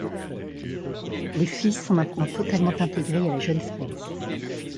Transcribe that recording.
Les filles sont maintenant totalement intégrées à la Jeune-France.